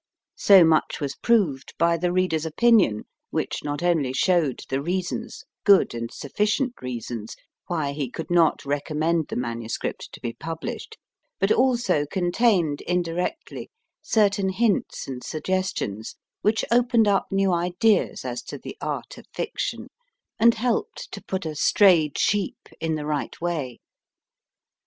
So much was proved by the reader s opinion, which not only showed the reasons good and suf ficient reasons why he could not recommend the manuscript to be published, but also contained, indirectly, certain hints and suggestions, which opened up new ideas as to the Art of B 2 4 MY FIRST BOOK Fiction, and helped to put a strayed sheep in the right way.